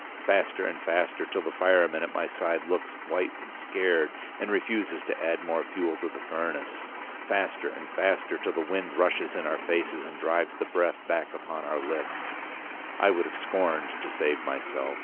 Faster and faster, till the fireman at my side looks white and scared, and refuses to add more fuel to the furnace. Faster and faster, till the wind rushes in our faces and drives the breath back upon our lips. I would have scorned to save myself.